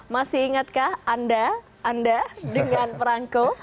masih ingatkah anda anda dengan perangko